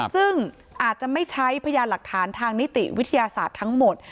ซึ่งอาจจะไม่ใช้พยานหลักฐานทางนิติวิทยาศาสตร์ทั้งหมด